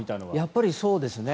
やっぱりそうですね。